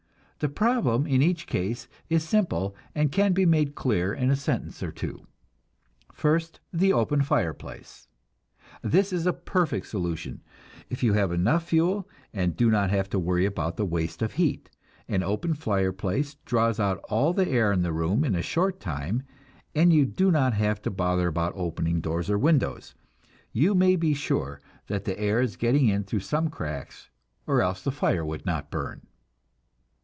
The problem in each case is simple and can be made clear in a sentence or two. First, the open fireplace. This is a perfect solution, if you have enough fuel, and do not have to worry about the waste of heat. An open fireplace draws out all the air in the room in a short time, and you do not have to bother about opening doors or windows; you may be sure that the air is getting in through some cracks, or else the fire would not burn.